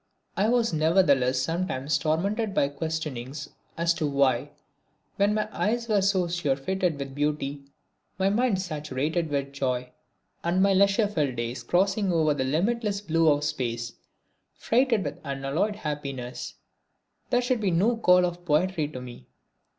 I was nevertheless sometimes tormented with questionings as to why, when my eyes were so surfeited with beauty, my mind saturated with joy, and my leisure filled days crossing over the limitless blue of space freighted with unalloyed happiness, there should be no call of poetry to me.